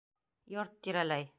— Йорт тирәләй!